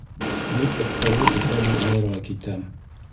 Мин эттәрҙең иҫәбен алырға китәм.